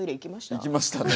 行きましたね。